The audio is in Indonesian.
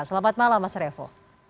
selamat malam mas revo